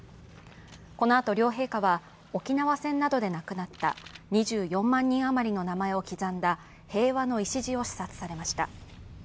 このあと両陛下は、沖縄戦などで亡くなった２４万人余りの名前を刻んだ平和の礎を視察されました。